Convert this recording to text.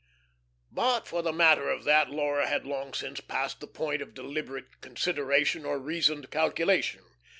But for the matter of that, Laura had long since passed the point of deliberate consideration or reasoned calculation.